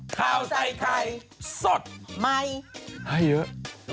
ข่าวใส่ไข่สดใหม่ให้เยอะ